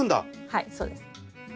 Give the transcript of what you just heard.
はいそうです。